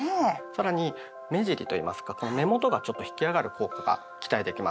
更に目尻といいますか目元がちょっと引き上がる効果が期待できます。